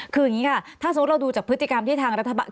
คืออย่างนี้ค่ะถ้าสมมุติเราดูจากพฤติกรรมที่ทางรัฐบาล